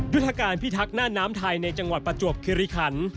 ยุทธการพิทักษ์หน้าน้ำไทยในจังหวัดประจวบคิริขัน